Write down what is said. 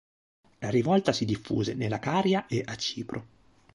La rivolta si diffuse nella Caria e a Cipro.